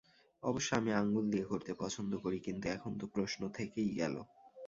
অবশ্য আমি আংগুল দিয়ে করতে পছন্দ করি, কিন্তু এখন তো প্রশ্ন থেকেই গেলো।